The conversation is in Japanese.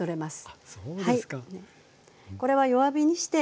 あっそうですか。